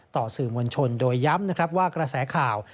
ต่อสื่อมวลชนโดยย้ำนะครับว่ากระแสข่าว